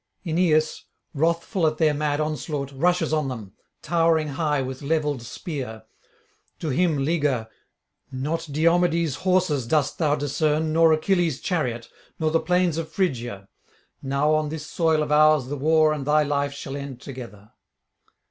Aeneas, wrathful at their mad onslaught, rushes on them, towering high with levelled spear. To him Liger ... 'Not Diomede's horses dost thou discern, nor Achilles' chariot, nor the plains of Phrygia: now on this soil of ours the war and thy life shall end together.'